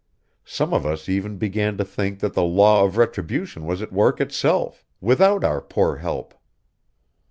Some of us even began to think that the law of retribution was at work itself, without our poor help.